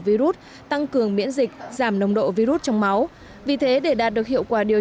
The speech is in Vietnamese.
virus tăng cường miễn dịch giảm nồng độ virus trong máu vì thế để đạt được hiệu quả điều